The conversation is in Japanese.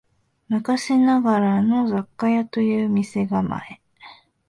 昔ながらの雑貨屋という店構え